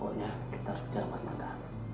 pokoknya kita harus bicara empat mata